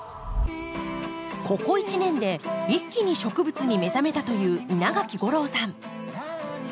ここ１年で一気に植物に目覚めたという稲垣吾郎さん。